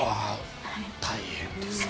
大変ですね。